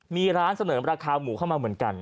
มีร้านเสนอราคาหมูเข้ามาเหมือนกัน